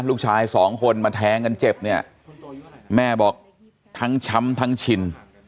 ลูกชายสองคนมาแทงกันเจ็บเนี่ยแม่บอกทั้งช้ำทั้งชิน